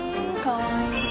かわいい。